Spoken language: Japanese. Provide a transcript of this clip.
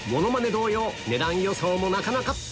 同様値段予想もなかなか！